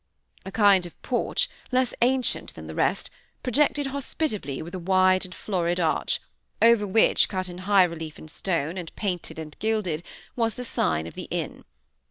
A kind of porch, less ancient than the rest, projected hospitably with a wide and florid arch, over which, cut in high relief in stone, and painted and gilded, was the sign of the inn.